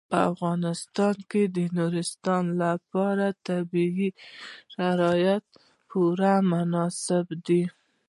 په افغانستان کې د نورستان لپاره طبیعي شرایط پوره مناسب دي.